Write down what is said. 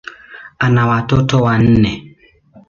Ana watoto wanne.